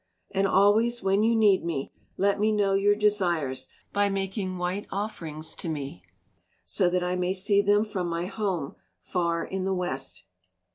And always when you need me, let me know your desires by making white offerings to me, so that I may see them from my home far in the west."